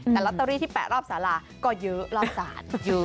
แต่ลอตเตอรี่ที่แปะรอบสาราก็เยอะรอบศาลเยอะ